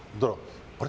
あれ？